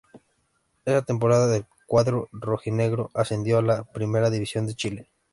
Esa Temporada el cuadro rojinegro ascendió a la Primera división de Chile.